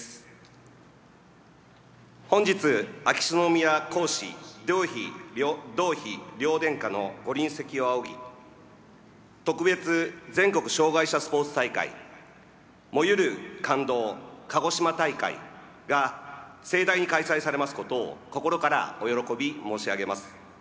本日秋篠宮皇嗣同妃両殿下の御臨席を仰ぎ特別全国障害者スポーツ大会「燃ゆる感動かごしま大会」が盛大に開催されますことを心からお喜び申し上げます。